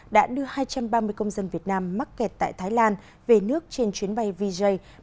đã đưa hai trăm ba mươi công dân việt nam mắc kẹt tại thái lan về nước trên chuyến bay vj bảy nghìn tám trăm sáu mươi một